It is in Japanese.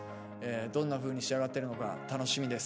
どんなふうに仕上がってるのか楽しみです。